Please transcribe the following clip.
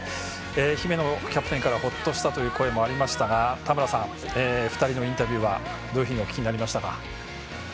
姫野キャプテンからほっとしたという声もありましたが、田村さん２人のインタビューはどういうふうにお聞きになりましたか？